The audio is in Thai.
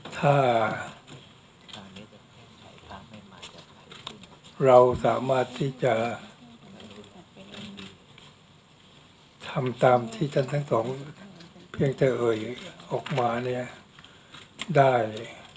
ถ้าเราสามารถที่จะทำตามที่ท่านทั้งสองเพียงจะเอ่ยออกมาเนี่ยได้